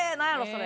それ。